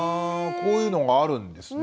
こういうのがあるんですね。